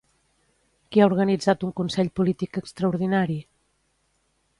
Qui ha organitzat un consell polític extraordinari?